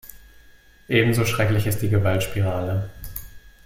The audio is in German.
Ebenso schrecklich ist die Gewaltspirale.